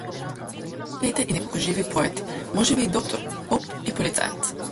Повикајте и неколку живи поети, можеби и доктор, поп и полицаец.